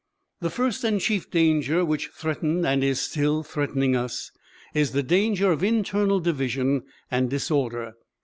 The first and chief danger which threatened, and is still threatening us, is the danger of internal division and disorder.